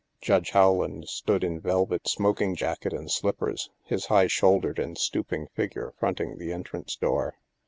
Judge Rowland stood in velvet smoking jacket and slip pers, his high shouldered and stooping figure front ing the entrance door.